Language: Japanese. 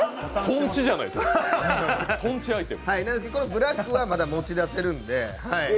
ブラックはまだ持ち出せるんで。